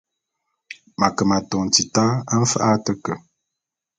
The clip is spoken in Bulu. M’ ake m’atôn tita mfa’a a te ke.